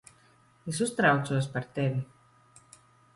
Es uztraucos par tevi.